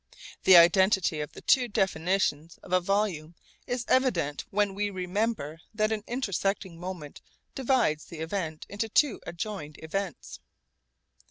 The identity of the two definitions of a volume is evident when we remember that an intersecting moment divides the event into two adjoined events.